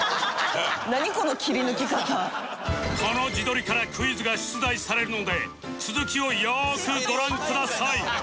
この自撮りからクイズが出題されるので続きをよーくご覧ください